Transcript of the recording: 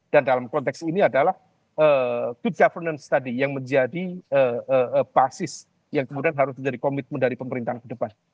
dan dalam konteks ini adalah good governance tadi yang menjadi basis yang kemudian harus menjadi komitmen dari pemerintahan ke depan